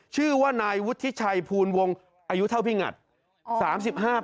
ชื่อว่านายวุฒิชัยภูลวงอายุเท่าพี่หงัด